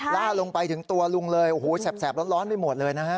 ล่าลงไปถึงตัวลุงเลยโอ้โหแสบร้อนไปหมดเลยนะฮะ